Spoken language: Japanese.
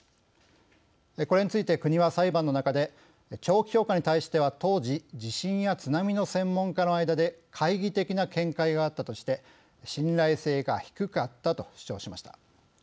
これについて国は裁判の中で長期評価に対しては当時、地震や津波の専門家の間で懐疑的な見解があったとして信頼性が低かったと主張しました。